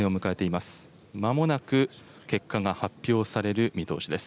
まもなく結果が発表される見通しです。